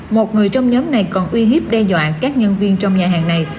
một người trong nhóm này còn uy hiếp đe dọa các nhân viên trong nhà hàng này